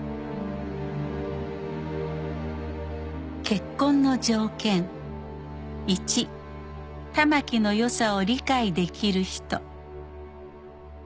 「結婚の条件」「１たまきの良さを理解できる人」